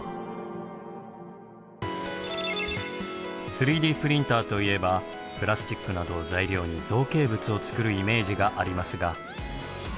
３Ｄプリンターといえばプラスチックなどを材料に造形物を作るイメージがありますが。